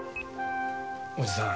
おじさん。